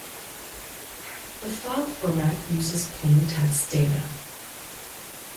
The file format uses plain text data.